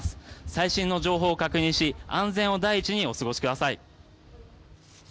最新の情報を確認し安全を第一にお過ごしください。